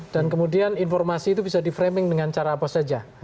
dan kemudian informasi itu bisa di framing dengan cara apa saja